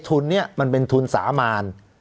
ทุนนี้มันเป็นทุนสามาร